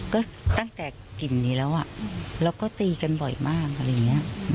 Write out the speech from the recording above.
ก็ตั้งแต่กลิ่นนี้แล้วแล้วก็ตีกันบ่อยมากอะไรอย่างนี้